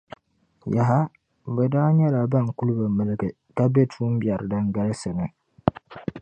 Yaha! Bɛ daa nyɛla ban kuli bi milgi ka be tuumbiɛri din galsi ni.